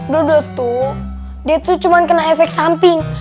dodo tuh dia tuh cuma kena efek samping